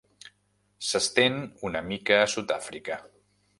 S'estén una mica a Sud-àfrica.